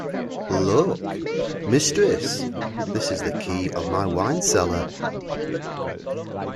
Look, mistress, this is the key of my wine-cellar.